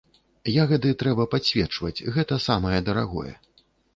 Ягады трэба падсвечваць, гэта самае дарагое.